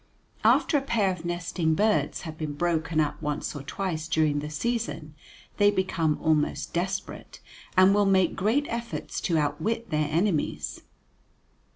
After a pair of nesting birds have been broken up once or twice during the season, they become almost desperate, and will make great efforts to outwit their enemies.